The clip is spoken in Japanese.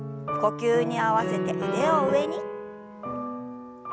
呼吸に合わせて腕を上に。